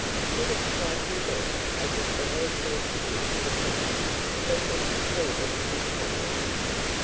"Did it strike you then has it ever occurred to you to think that it accorded with some one?"